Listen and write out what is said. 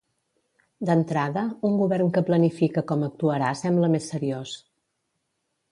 D'entrada, un Govern que planifica com actuarà sembla més seriós.